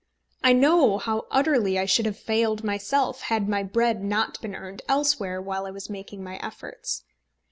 I know how utterly I should have failed myself had my bread not been earned elsewhere while I was making my efforts.